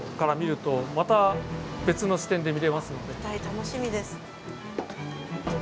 楽しみです。